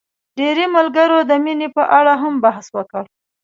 ډېری ملګرو د مينې په اړه هم بحث وکړ.